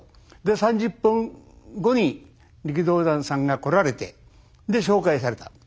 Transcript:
で３０分後に力道山さんが来られてで紹介された。